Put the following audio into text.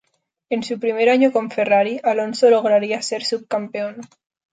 En su primer año con Ferrari, Alonso lograría ser subcampeón.